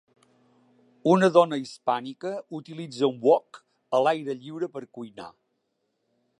Una dona hispànica utilitza un wok a l'aire lliure per cuinar.